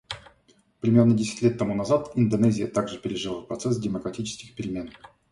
Примерно десять лет тому назад Индонезия также пережила процесс демократических перемен.